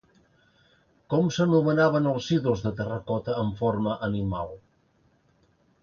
Com s'anomenaven els ídols de terracota amb forma animal?